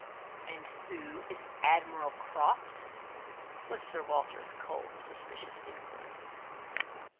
"And who is Admiral Croft?" was Sir Walter's cold suspicious inquiry.